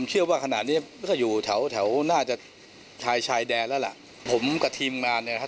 ส่วนเมื่อกล้องสตรีจรีดีวีเนี่ย